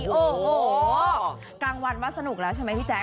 โอ้โหข้างวานว่าสนุกแล้วใช่มั้ยพี่แจ๊ค